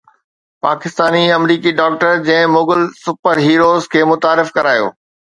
پاڪستاني آمريڪي ڊاڪٽر جنهن Mughal super heroes کي متعارف ڪرايو